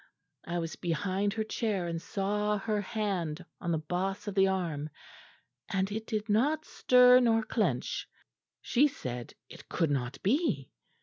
I was behind her chair and saw her hand on the boss of the arm, and it did not stir nor clench; she said it could not be.